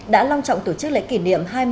đã long trọng tổ chức lễ kỷ niệm